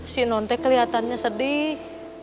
si nonte kelihatannya sedih